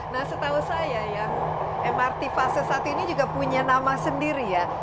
nah setahu saya ya mrt fase satu ini juga punya nama sendiri ya